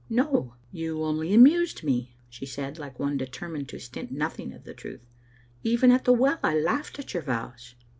" "No; you only amused me," she said, like one de termined to stint nothing of the truth. " Even at the well I laughed at your vows."